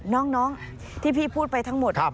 น้องที่พี่พูดไปทั้งหมด